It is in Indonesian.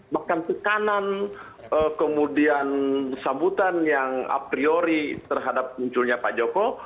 bahkan tekanan kemudian sambutan yang a priori terhadap munculnya pak joko